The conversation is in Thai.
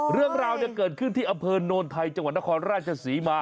เรื่องราวเกิดขึ้นที่อำเภอโนนไทยจังหวัดนครราชศรีมา